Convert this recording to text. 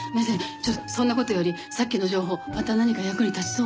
ちょっとそんな事よりさっきの情報また何か役に立ちそう？